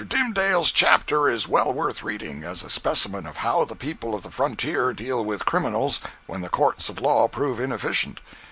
Dimsdale's chapter is well worth reading, as a specimen of how the people of the frontier deal with criminals when the courts of law prove inefficient.